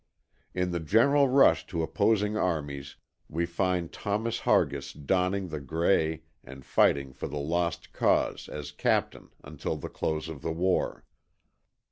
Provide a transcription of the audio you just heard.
In the general rush to opposing armies we find Thomas Hargis donning the grey and fighting for the "Lost Cause" as captain until the close of the war.